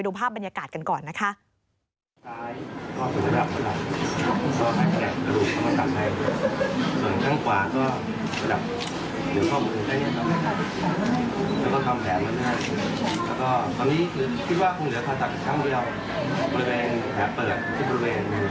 คิดว่าจะเอานังทุนทานควับสัตว์